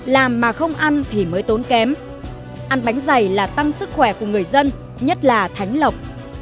làm mà không ăn thì mới tốn kém ăn bánh dày là tăng sức khỏe của người dân nhất là thánh lộc